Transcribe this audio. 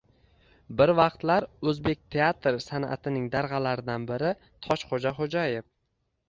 Bir vaqtlar o‘zbek teatr san’atining darg‘alaridan biri Toshxo‘ja Xo‘jayev